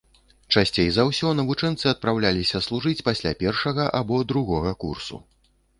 Часцей за ўсё навучэнцы адпраўляліся служыць пасля першага або другога курсу.